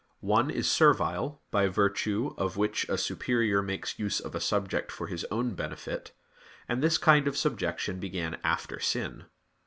One is servile, by virtue of which a superior makes use of a subject for his own benefit; and this kind of subjection began after sin.